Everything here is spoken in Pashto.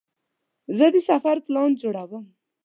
زه د سفر پلان جوړوم.